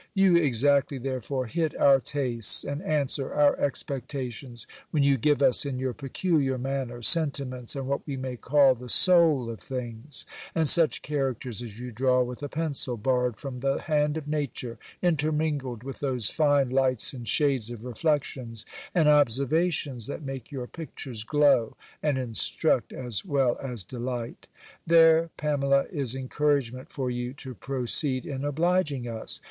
You exactly, therefore, hit our tastes, and answer our expectations, when you give us, in your peculiar manner, sentiments on what we may call the soul of things, and such characters as you draw with a pencil borrowed from the hand of nature, intermingled with those fine lights and shades of reflections and observations, that make your pictures glow, and instruct as well as delight. There, Pamela, is encouragement for you to proceed in obliging us.